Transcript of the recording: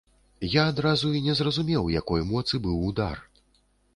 Я адразу і не зразумеў, якой моцы быў удар.